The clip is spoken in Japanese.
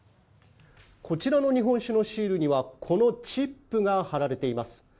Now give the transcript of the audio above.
こちらの日本酒のシールにはこのチップが貼られています。